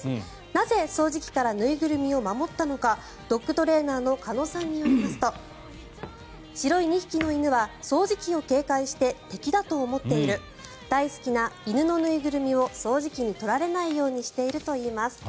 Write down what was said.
なぜ掃除機から縫いぐるみを守ったのかドッグトレーナーの鹿野さんによりますと白い２匹の犬は掃除機を警戒して敵だと思っている大好きな犬の縫いぐるみを掃除機に取られないようにしているといいます。